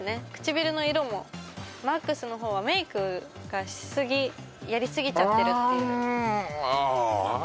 唇の色もＭＡＸの方はメイクがしすぎやり過ぎちゃってるっていうあああっ？